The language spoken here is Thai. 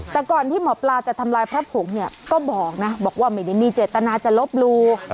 แต่ก่อนที่หมอปลาจะทำลายพระผงเนี่ยก็บอกนะบอกว่าไม่ได้มีเจตนาจะลบลู